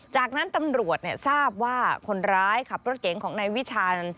จากนั้นตำรวจทราบว่าคนร้ายขับรถเก๋งของนายวิชาญ